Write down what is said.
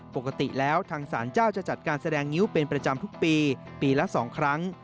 ปกติแล้วทางสารเจ้าจะจัดการแสดงงิ้วเป็นประจำทุกปีปีละ๒ครั้ง